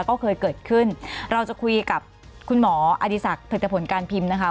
ก็เคยเกิดขึ้นเราจะคุยกับคุณหมออดีศักดิ์ผลิตผลการพิมพ์นะคะ